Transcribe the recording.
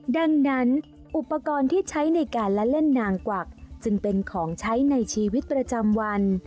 ดังนั้นอุปกรณ์ที่ใช้ในการละเล่นนางกวักจึงเป็นของใช้ในชีวิตประจำวัน